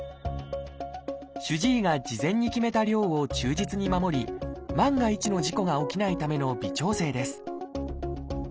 主治医が事前に決めた量を忠実に守り万が一の事故が起きないための微調整です